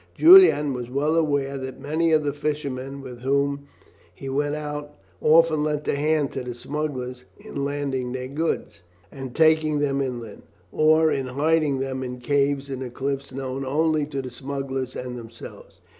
Julian was well aware that many of the fishermen with whom he went out often lent a hand to the smugglers in landing their goods and taking them inland, or in hiding them in caves in the cliffs known only to the smugglers and themselves.